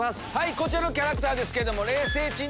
こちらのキャラクターですけど。